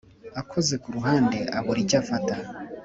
akoze ku ruhande abura icyo afata,